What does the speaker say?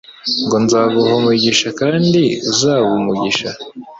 ngo: "Nzaguha umugisha, kandi uzaba umugisha